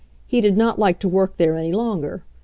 He did not like to work there any longer.